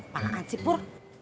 pak anjir pur